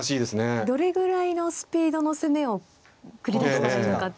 どれぐらいのスピードの攻めを繰り出したらいいのかっていうのが。